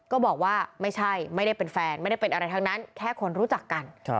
ก็บอกว่าไม่ใช่ไม่ได้เป็นแฟนไม่ได้เป็นอะไรทั้งนั้นแค่คนรู้จักกัน